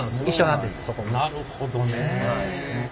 なるほどねえ。